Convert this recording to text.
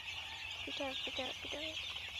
Peter, Peter, Peter.